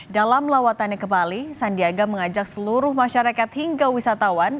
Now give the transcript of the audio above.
dalam lawatannya ke bali sandiaga mengajak seluruh masyarakat hingga wisatawan